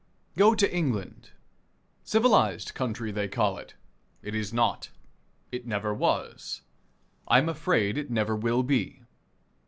Go to England. Civilized country they call it. It is not. It never was. I am afraid it never will be.